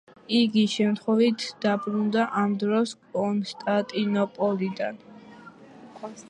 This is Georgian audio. იგი შემთხვევით დაბრუნდა ამ დროს კონსტანტინოპოლიდან.